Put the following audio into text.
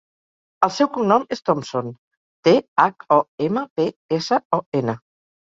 El seu cognom és Thompson: te, hac, o, ema, pe, essa, o, ena.